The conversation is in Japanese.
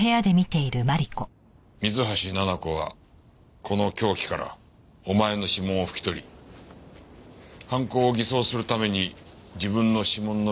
水橋奈々子はこの凶器からお前の指紋を拭き取り犯行を偽装するために自分の指紋のみを残した。